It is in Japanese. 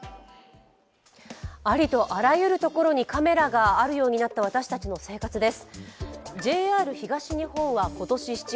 ありとあらゆるところにカメラがあるようになった私たちの生活です。